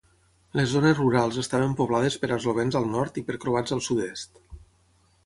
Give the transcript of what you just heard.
Les zones rurals estaven poblades per eslovens al nord i per croats al sud-est.